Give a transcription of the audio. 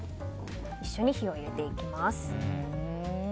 一緒に火を入れていきます。